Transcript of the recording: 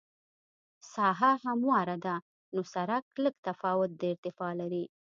ساحه همواره ده نو سرک لږ تفاوت د ارتفاع لري